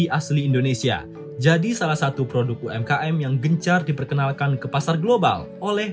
asli indonesia jadi salah satu produk umkm yang gencar diperkenalkan ke pasar global oleh